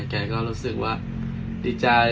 แกก็รู้สึกว่าดีใจ